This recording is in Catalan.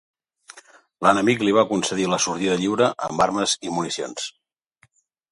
L'enemic li va concedir la sortida lliure amb armes i municions.